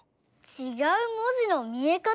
ちがう文字の見え方？